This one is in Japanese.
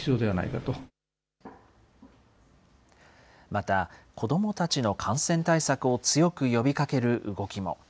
また、子どもたちの感染対策を強く呼びかける動きも。